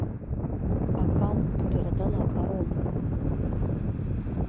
А каму б перадала карону?